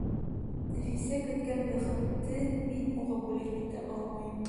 Нәфисә көткән бәхетте мин уға бүләк итә алмайым.